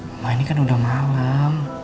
wah ini kan udah malam